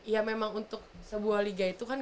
ya memang untuk sebuah liga itu kan